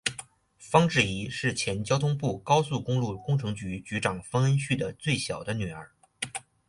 方智怡是前交通部高速公路工程局局长方恩绪的最小的女儿。